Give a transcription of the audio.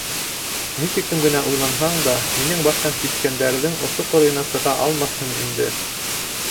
Ни хәтлем генә уйланһаң да, минең баштан кискәндәрҙең осо-ҡырыйына сыға алмаҫһың инде.